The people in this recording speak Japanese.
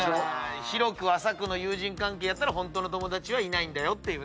広く浅くの友人関係やったらホントの友達はいないんだよと。